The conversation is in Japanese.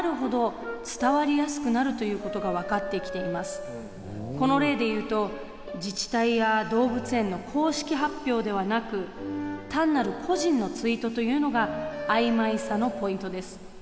実はこの例で言うと自治体や動物園の公式発表ではなく単なる個人のツイートというのがあいまいさのポイントです。